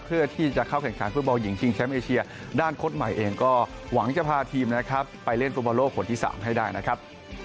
เพื่อที่จะเข้าแข่งขันฟุตบอลหญิงชิงแชมป์เอเชียด้านโค้ดใหม่เองก็หวังจะพาทีมนะครับไปเล่นฟุตบอลโลกคนที่๓ให้ได้นะครับ